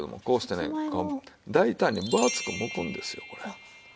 こうしてね大胆に分厚くむくんですよこれ。